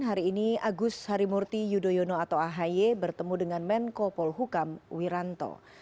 hari ini agus harimurti yudhoyono atau ahy bertemu dengan menko polhukam wiranto